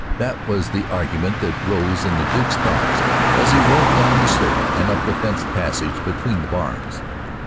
That was the argument that rose in the Duke's thoughts as he rode down the slope and up the fenced passage between the barns.